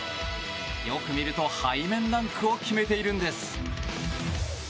よく見ると背面ダンクを決めているんです。